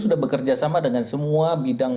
sudah bekerjasama dengan semua bidang